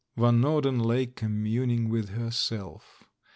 Van Norden lay communing with herself.